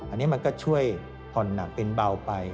อันนี้มันก็ช่วยผ่อนหนักเป็นเบาไป